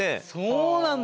そうなんだ！